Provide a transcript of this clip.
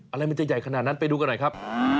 อะไรมันจะใหญ่ขนาดนั้นไปดูกันหน่อยครับ